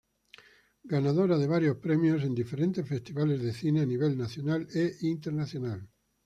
Ganadora de varios premios en diferentes festivales de cine a nivel nacional e internacional.